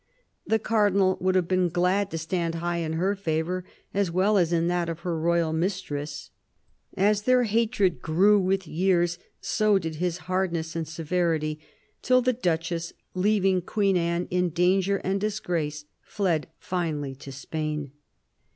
The Cardinal would have been glad to stand high in her favour, as well as in that of her royal mistress. As their hatred grew with years, so did his hard ness and severity, till the Duchess, leaving Queen Anne in danger and disgrace, fled finally to Spain.